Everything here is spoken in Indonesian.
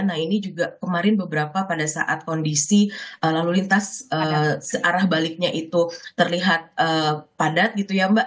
nah ini juga kemarin beberapa pada saat kondisi lalu lintas searah baliknya itu terlihat padat gitu ya mbak